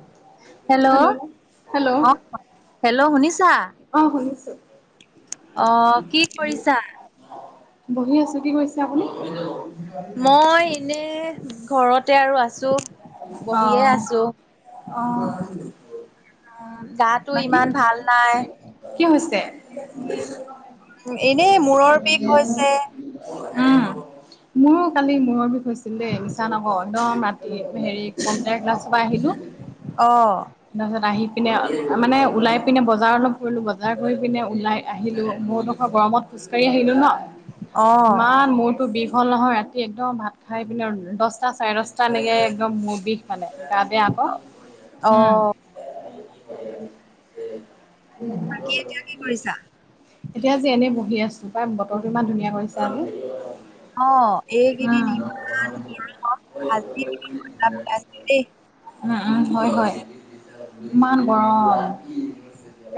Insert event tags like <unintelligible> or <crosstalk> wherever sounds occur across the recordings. <unintelligible> Hello. Hello. অ hello শুনিছা অহ, শুনিছোঁ। অ কি কৰিছা? বহি আছোঁ। কি কৰিছে আপুনি? মই এনেই ঘৰতে আৰু আছোঁ। অ বহিয়েই আছোঁ অ উম। গাটো বাকী ইমান ভাল নাই। কি হৈছে? এনেই মূৰৰ বিষ হৈছে। উম, মোৰো কালি মূৰৰ বিষ হৈছিল দেই, মিছা নহয়। একদম ৰাতি হেৰি ক্লাছৰ পৰা আহিলোঁ। অ তাৰিছত আহি পিনে মানে ওলাই পিনে বজাৰ অলপ কৰিলোঁ। বজাৰ কৰি পিনে ওলাই আহিলোঁ, মোৰডোখৰ গৰমত খোজকাঢ়ি আহিলোঁ ন'। অ ইমান মূৰতো বিষ। হ'ল নহয় ৰাতি একদম ভাত খাই পিনে দহটা চাৰে দহটালৈকে একদম মোৰ বিষ। মানে গাতে আকৌ অ উম। কি কৰিছা? <unintelligible> এতিয়া আজি এনেই বহি আছোঁ। পাই বতৰটো ইমান ধুনীয়া কৰিছে আজি। অহ, এই কেইদিন উম। ইমান <unintelligible> আজি <unintelligible> দেই। উম হয়, হয়, ইমান গৰম।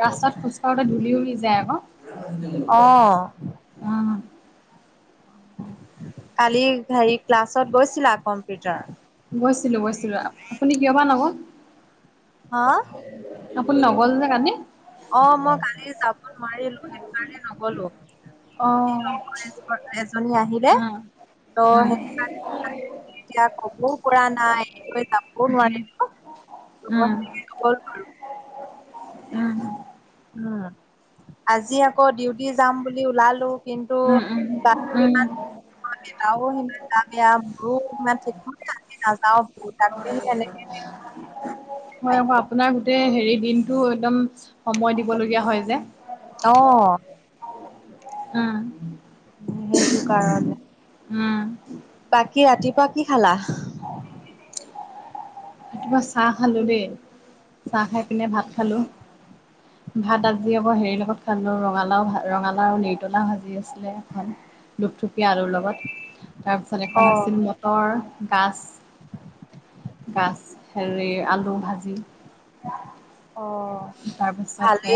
ৰাস্তাত খোজকাঢ়োতে ধূলি উৰি যায় আকৌ। অ অহ। কালি হেৰি ক্লাছত গৈছিলা কম্পিউটাৰ। গৈছিলোঁ, গৈছিলোঁ আপুনি কিয় বা নগ'ল। হা? আপুনি নগ'ল যে কালি? অহ, মই কালি যাব নোৱাৰিলোঁ, সেইটো কাৰণে নগ'লো। অ' উম। <unintelligible> এজনী আহিলে, উম ত' উম সেই <unintelligible> এতিয়া ক'বও পৰা নাই, গৈ যাবও উম উম উম নোৱাৰিলোঁ। <unintelligible> নগ'লো আৰু। উম। উম, আজি আকৌ ডিউটি যাম বুলি ওলালোঁ। কিন্তু উম তাতো উম ইমান উম দেউতাৰো সিমান গা বেয়া, মোৰো ইমান ঠিক নাই, নাযাওঁ বুলি <unintelligible> হয় মই পাৰিলো আপোনাৰ গোটেই হে হেৰি দিনটো একদম সময় দিবলগীয়া হয় যে। অ উম। সেইটো কাৰণে। উম। বাকী ৰাতিপুৱা কি খালা? ৰাতিপুৱা চাহ খালোঁ দেই, চাহ খাই পিনে ভাত খালোঁ। ভাত আজি আকৌ হেৰিৰ লগত খালোঁ ৰঙালাউ-ৰঙালাউ নিৰ্তলা ভাজি আছিলে এখন। লুপথুপীয়া আলুৰ লগত তাৰপিছত অ এখন আছিল মটৰ গাছ। গাছ হেৰি আলু ভাজি। অহ। তাৰ পিছতে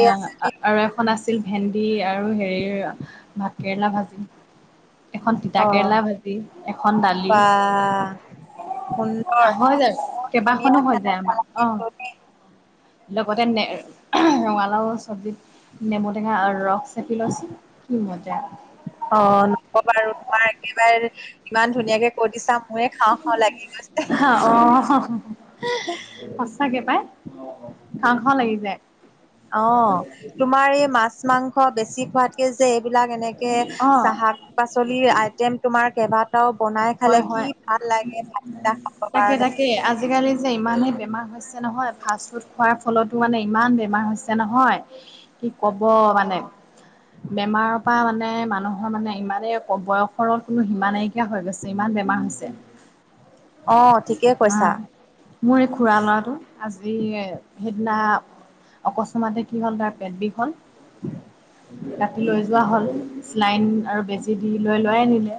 আৰু এখন আছিল ভেন্দি আৰু হেৰি হেৰা ভাতকেৰেলা ভাজি এখন অ তিতাকেৰেলা ভাজি এখন দালি। বা সুন্দৰ হৈ যায়, বহুত ধুনীয়া কেইবাখনো হৈ খানা যায় আমাৰ খালা কিন্তু অ'। দেই লগতে ন ৰঙালাও চবজি নেমু টেঙাৰ ৰস চেপি লইচু কি মজা। অ' ন'কবা তোমাৰ একেবাৰে ইমান ধুনীয়াকে কৈ দিছা মোৰে খাওঁ খাওঁ লাগি গৈছে। অ' সঁচাকে পাই। খাও খাও লাগিছে অ' তোমাৰ এই মাছ মাংস বেছি খোৱাতকে যে বিলাক এনেকে অ শাক পাচলি আইটেম তোমাৰ কেইবা কেইবাটাও বনাই খালে হয় কি হয় ভাল লাগে ভাতকেইটা খাবৰ তাকে কাৰণে। তাকে আজিকালি যে ইমানে বেমাৰ হৈছে নহয় ফাষ্ট ফুড খোৱাৰ ফলতো মানে ইমান বেমাৰ হৈছে নহয়। কি কব মানে বেমাৰৰ পৰা মানে মানুহৰ মানে ইমানেই বয়সৰ কোনো সিমান নাইকিয়া হৈ গৈছে। যিমান বেমাৰ হৈছে। অ' ঠিকেই কৈছা। অ' মোৰ এই খুৰা ল'ৰাটো আজি সেইদিনা অকস্মতে কি হল তাৰ পেটবিষ হ'ল ৰাতি লৈ যোৱা হ'ল। চেলাইন আৰু বেজি দি লৈ লৈ আনিলে।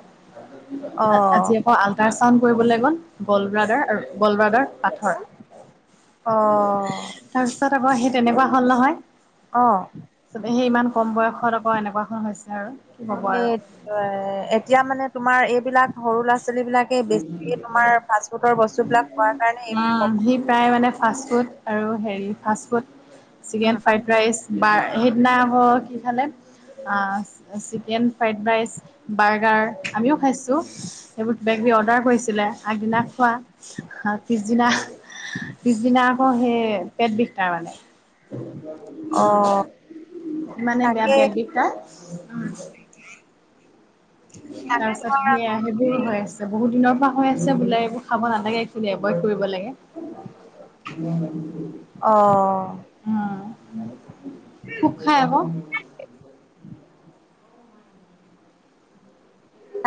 অ আজি আকৌ আল্ট্ৰাছাণ্ড কৰিবলৈ গ'ল গলব্ৰডাৰ আৰু গলব্ৰডাৰ পাথৰ অ তাৰ পিছত আকৌ সেই তেনেকুৱা হ'ল নহয়। অ'। সেই ইমান কম বয়সত আকৌ এনেকুৱাখন হৈছে আৰু কি কব এই আৰু। এই বিলাক সৰু সৰু লৰা ছোৱালীবিলাকক বেছিকে তোমাৰ ফাষ্ট ফুডৰ বস্তুবিলাক খোৱাৰ উম, কাৰ সি প্ৰায় মানে ফাষ্টফুড আৰু হেৰি ফাষ্টফুড চিকেন ফ্ৰাইড ৰাইচ বাৰ সিদিনা হ কিফালে চিকেন ফ্ৰাইড ৰাইচ, বাৰ্গাৰ আমিও খাইছোঁ সবোৰ বেগ বি অৰ্ডাৰ কৰিছিলে, আগদিনা খোৱা পিছদিনা পিছদিনা আকৌ সেই পেট বিষ তাৰ মানে। অ উম, মানে বেয়া তাকে পেট বিষ তাৰ <inaudible> তাৰ তাকে পিছত তোমাৰ সেয়া আকৌ সেইবোৰ হৈ আছে বহুত দিনৰ হৈ আছে বোলে এইবোৰ খাব নালাগে এইখিনি এভইড কৰিব লাগে। <inaudible> অ', উম, খুব খাই আকৌ।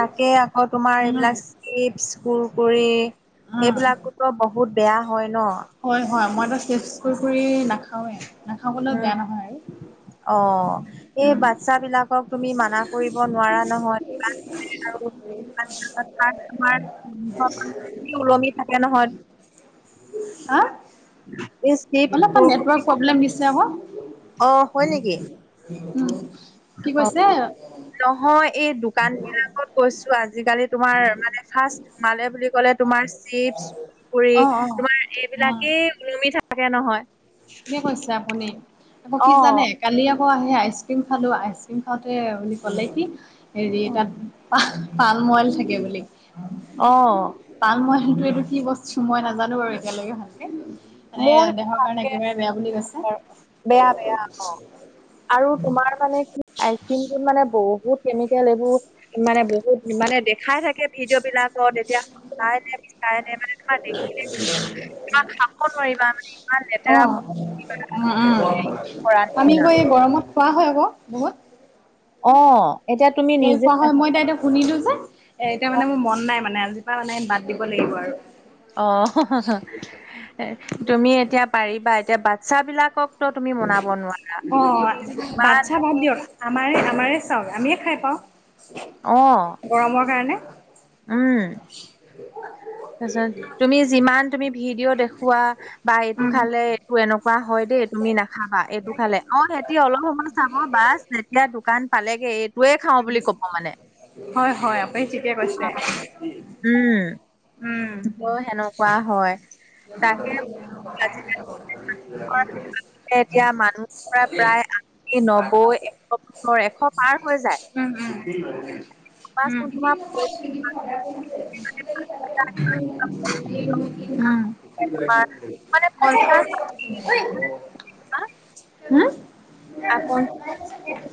তাকে আকৌ তোমাৰ উম এইবিলাক চিপচ কুৰকুৰি উম সেইবিলাকোতো বহুত বেয়া হয় ন। হয় হয় মই বাৰু চিপ্চ কুৰকুৰ না নাখাওৱে নাখাবলৈ উম, বেয়া নহয় অ', এই আৰু উ বাচ্ছা বিলাকক তুমি মানা কৰিব নোৱাৰা নহয় দোকানলে ওলমি থাকে নহয় <inaudible> হা? এই চিপছ, অলপ কুৰকুৰি নেটৱৰ্ক প্ৰব্লেম দিছে আকৌ। অ', হয় নেকি? কি অ', কৈছে? নহয় এই দোকান বিলাকত কৈছো আজিকালি তোমাৰ মানে ফাৰ্ষ্ট সোমালে বুলি কলে তোমাৰ চিপছ কুৰকুৰি অঁ অঁ তোমাৰ অঁ এইবিলাকেই ওলুমি থাকে নহয়। ঠিকে কৈছে আপুনি আকৌ কি জানে অ', কালি আকৌ আকৌ আহি আইচক্ৰীম খালোঁ, আইচক্ৰীম খাওঁতে বুলি ক'লে কি হেৰি অ', তাত পাম মইল থাকে বুলি। অ'। কিন্তু এইটো কি বস্তু মই নাজানো বাৰু এতিয়ালৈকে ভালকে মানে মোৰ সেই দেহৰ কাৰণে তাকে একেবাৰে বেয়া বুলি কৈছে বেয়া বেয়া অ'। আৰু তোমাৰ মানে কি আইচ ক্ৰিমটোত মানে বহুত কেমিকেল এইবোৰ মানে বহুত মানে দেখাই থাকে ভিডিঅ বিলাকত এতিয়া সঁচাই নে মিচাই নে মানে তোমাৰ দেখিলে কিবা খাম নোৱাৰিবা মানে ইমান অঁ লেতেৰাস উম <unintelligible> উম আমি আকৌ নিচিনা। এই গৰমত খোৱা হয় আকৌ বহুত। অ' এতিয়া তুমি স নিজে কোৱা হয় মই এতিয়া এতিয়া শুনিলো যে এ এতিয়া মানে মোৰ মন নাই মানে আজিপা মানে বাদ দিব লাগিব আৰু। অ', তুমি এতিয়া পাৰিবা এতিয়া বাচ্ছ বিলাকক অ' যিমান বাচ্ছা বাদ মানে দিয়ক আমাৰে আমাৰে চাওঁক আমিয়ে খাই পাওঁ, অ', গৰমৰ কাৰণে। তাৰিছত তুমি যিমান তুমি ভিডিঅ' দেখুৱা বা এইটো উম খালে এইটো এনেকুৱা হয় দেই তুমি নাখাবা এইটো খালে অ' সিহতি অলপ সময় চাব বাচ তেতিয়া দোকান পালেগে এই হয় হয় আপুনি ঠিকে কৈছে। উম অ' সেনেকুৱা হয়। তাকে <unintelligible> আজিকালি এতিয়া মানুহৰ পৰা প্ৰায় আশী নব্বৈ এশ বছৰ এশ পাৰ হৈ যায় ভাবাচোন উম, তোমাৰ উম। উম। তোমাৰ মানে উম। হ। হম। আপন <unintelligible>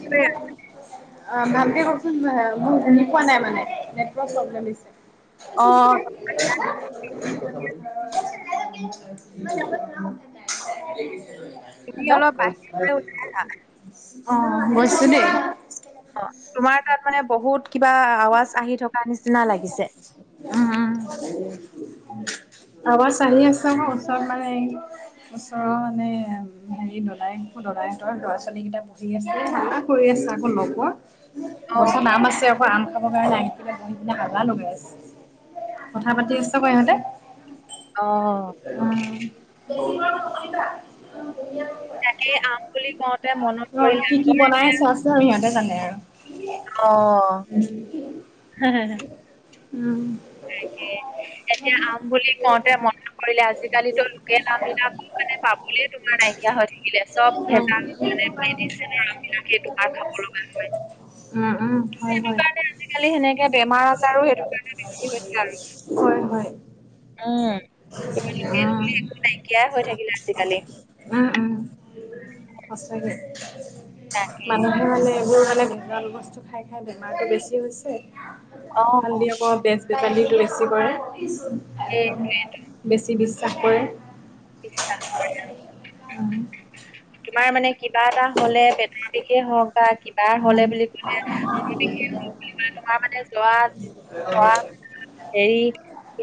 অ' ভালকে কওকচোন মই শুনি পোৱা নাই মানে নেটৱৰ্ক প্ৰব্লেম দিছে। অ তুমি হেল্ল' অ' অলপ বাহিৰলৈ ওলাই আহা গৈছোঁ দেই। অ' তোমাৰ তাত মানে বহুত কিবা আৱাজ আহি থকা নিচিনা লাগিছে। উম। আৱাৰ আহি আছে আকৌ ওচৰত মানে ওচৰৰ মানে হেৰি দদাই দদায়তৰ লৰা ছোৱালী কেইটা বহি আছে হাল্লা কৰি চাগ নপোৱা অ', গছত আম আছে আকৌ আম খাবৰ কাৰণে আহি পিলে <unintelligible> আজানো লগাই আছে, কথা পাতি আছো কৌ ইহঁতে। অ'। তাকে আম বুলি কওঁতে মনত অ' পৰিলে কি কি আগৰ বনাই আছো আচ সিহঁতে জানে আৰু। অ'। উম। তাকে। তেতিয়া আম বুলি কওঁতে মন কৰিলে আজিকালিতো লোকেল আমবলাকো মানে উম পাবলে তোমাৰ নাই কিয় হৈ থাকিলে উম, চব ভেজাল মানে মেডিচিনৰ আম বিলাক সেই দু খাব লগা হয়। উম, উম। হয়, হয়। এয়া বেমাৰ আজাৰো সেইটো কাৰণে দিছিল হৈছ হয়, হয়। উম, নাইকিয়া হৈ থাকিলে আজিকালি। উম, উম। সঁচাকে। মানুহে মানে এইবোৰ মানে ভেজাল বস্তু খাই খাই বেমাৰটো বেছি হৈছে। অ', ভালদি আকৌ বেজ বেপালিটো বেছি কৰে। এই বেছি বেছি <unintelligible> বিশ্বাসটৌহে আৰু। অ'। তোমাৰ মানে কিবা এটা হ'লে, পেটৰ বিষে হওঁক। বা কিবা উম, হ'লে বুলি কলে, মুৰ বিষে হওঁক বুলি বা তোমাৰ মানে জৰা <unintelligible> হেৰী,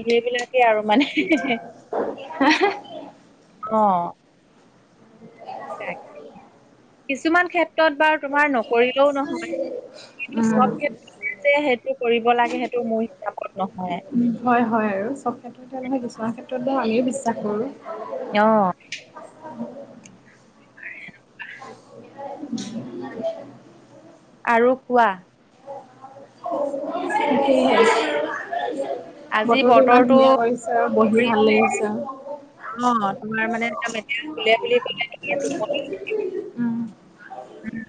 সেইবিলাকে আৰু মানে। <inaudible> অ'। তাক, কিছুমান ক্ষেত্ৰত বাৰ তোমাৰ নকৰিলেও নহয়, সেইবুলি উম, উম, চব ক্ষেত্ৰতে যে সেইটো কৰিব লাগে সেইট <unintelligible> হয়, হয় আৰু, চব ক্ষেত্ৰতে নহয়, কিছুমান ক্ষেত্ৰত বাৰু আমিও বিশ্বাস কৰোঁ। অ'। আৰু কোৱা? সেয়েহে আজি ইমান বতৰটো ধুনীয়া কৰিছে আৰু বহি ভাল লাগিছে <unintelligible> আৰু। সোমবাৰ মানে একদম <unintelligible> খোলে। <inaudible> উ। উ,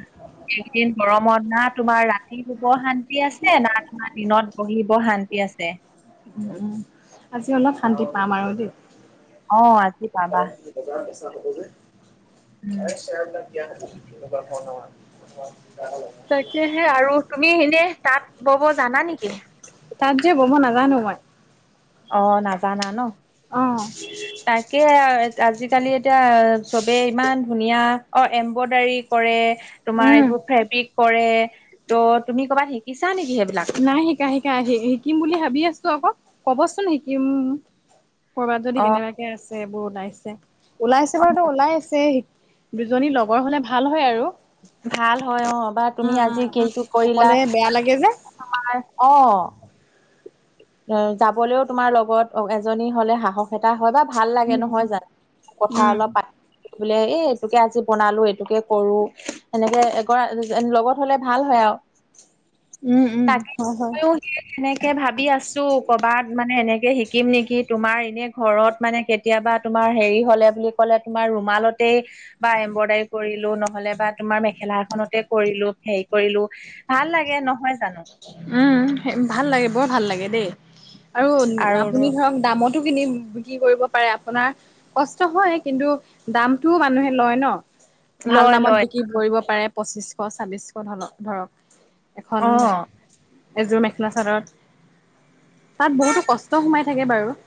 এইকেদিন গৰমত না তোমাৰ ৰাতি শুব শান তি আছে, না তোমাৰ দিনত বহিব শান্তি আছে। উ, উ, আজি অলপ শান্তি পাম আৰু দেই। অ', আ <inaudible> উম <unintelligible> তাকেহে আৰু, তুমি এনে তাঁত বব জানা নিকি? তাঁত যে ব'ব নাজানো মই। অ', নাজানা ন! অ'। তাকেহে আ আজিকালি এতিয়া চবে ইমান ধুনীয়া অ', এমব্ৰডাৰী কৰে। তোমাৰ উম, এইবোৰ ফেব্ৰিক কৰে, ত' তুমি কবাত শিকিছা নি নাই শিকা শিকা, শিকিম বুলি ভাবি আছোঁ অ'ক, কবচোন শিকিম ক'ৰবাত যদি অ কেনেবাকে আছে, এইবোৰ ওলাইছে। ওলাইছে বাৰু তো ওলাইছে শিক, দুজনী লগৰ হ'লে ভাল হয় আৰু। ভাল হয় অ', বা তুমি উম, উম। আজি কিটো কৰিলা, অকলে বেয়া লাগে যে। তোমাৰ অ'। এ, যাবলেও তোমাৰ লগত, এজনী হ'লে সাহস এটা হয় বা ভাল লাগে নহয় উম, জানো, উম। কথা অলপ পাত বোলে এই এইটোকে আজি বনালো, এইটোকে কৰো, সেনেকে এগৰ লগত হ'লে ভাল হয় আৰু। <inaudible> উ, উ, হয়, হয়। এনেকে ভাবি আছ তো, কবাত মানে এনেকে শিকিম নেকি, তোমাৰ এনে ঘৰত মানে কেতিয়াবা তোমাৰ হেৰি হ'লে। বুলি ক'লে তোমাৰ ৰুমালতে বা এম্ব্ৰইডাৰি কৰিলোঁ, নহ'লে বা তোমাৰ মেখেলা এখনতে কৰি লো হেৰি কৰিলো, ভাল লাগে নহয় জানো উ, হে ভাল লাগে বৰ ভাল লাগে দেই, আৰু আৰু আপুনি ধৰক দামত খিনি কিনি বিক্ৰী কৰিব পাৰে আপোনাৰ কষ্ট হয় কিন্তু দামটোও মানুহে লয় ন। ভাল লয় দামত লয় বিক্ৰী কৰিব পাৰে পঁচিশ ছব্বিশ ধ-ধৰক। অহ। এযোৰ মেখেল চাদৰত, তাত বহুতো কষ্ট সোমাই থাকে বাৰু।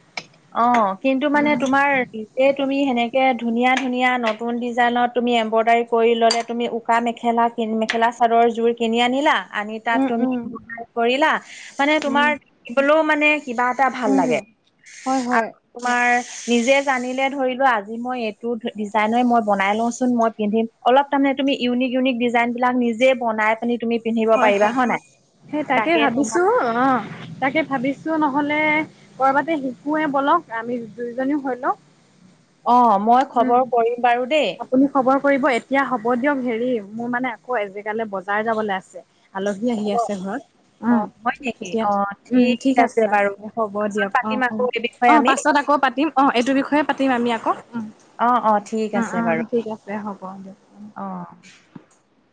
অহ, কিন্তু মানে তোমাৰ নিজে তুমি সেনেকে ধুনীয়া-ধুনীয়া নতুন ডিজাইনত তুমি এম্ব্ৰইডাৰী কৰি ল'লে তুমি উকা মেখেলা কিনি, মেখেলা চাৰৰ জোৰ কিনি আনিলা। আনি তাত উম, তুমি উম, ব্যৱহাৰ কৰিলা, মানে উম, তোমাৰ পিন্ধিবলৈও মানে কিবা এটা ভাল লাগে। উম, হয়, হয়। আৰু তোমাৰ নিজে জানিলে ধৰিলোৱা, আজি মই এইটো ডিজাইনে মই বনাই লওঁচোন মই পিন্ধিম অলপ তাৰমানে তুমি ইউনিক-ইউনিক ডিজাইনবিলাক নিজে বনাই পিনি তুমি পিন্ধিব হয়, পাৰিবা হয়। নাই সেই তাকে ভাবিছোঁ অহ। তাকে ভাবিছোঁ নহ'লে কৰ'বাতে শিকোৱে বলক, আমি দুইজনীও হৈ লওঁ। অহ, মই খবৰ কৰিম বাৰু দেই। আপুনি খবৰ কৰিব এতিয়া হ'ব দিয়ক হেৰি, মোৰ মানে আকৌ এজেগালে বজাৰ যাবলে আছে। আলহী আহি আছে ঘৰত উম। অ', হয় নেকি? এতিয়া অ', উম, ঠিক আছে বাৰু। হ'ব পাছত দিয়ক পাতিম অহ। অ', আকৌ এই অ'। বিষয়ে অহ, আমি। পাছত আকৌ পাতিম অহ, এইটো বিষয়ে পাতিম আমি আকৌ উম। অ', অ', ঠিক উম', আছে বাৰু। উম' ঠিক আছে হ'ব দিয়ক। <unintelligible>